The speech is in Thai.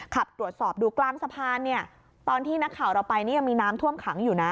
ขับตรวจสอบดูกลางสะพานเนี่ยตอนที่นักข่าวเราไปนี่ยังมีน้ำท่วมขังอยู่นะ